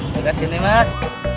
dikasih nih mas